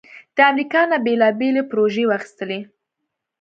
د امریکا نه بیلابیلې پروژې واخستلې